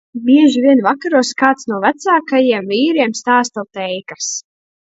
Bieži vien vakaros kāds no vecākajiem vīriem stāsta teikas.